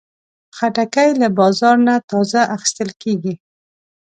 خټکی له بازار نه تازه اخیستل کېږي.